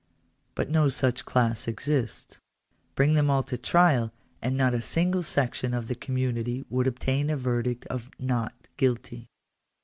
But no sirch class exists. Bring them all to trial and not a single section of the com munity would obtain a verdict of " not guilty."